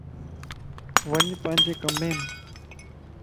وڃ پانجي ڪم يم